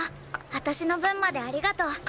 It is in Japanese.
私の分までありがとう。